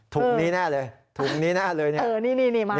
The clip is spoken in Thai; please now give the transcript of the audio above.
ถุงนี้แน่เลยถุงนี้แน่เลยเนี่ย